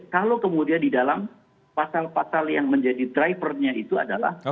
kalau kemudian di dalam pasal pasal yang menjadi drivernya itu adalah